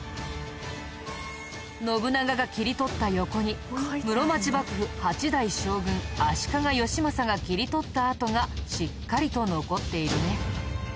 信長が切り取った横に室町幕府８代将軍足利義政が切り取った跡がしっかりと残っているね。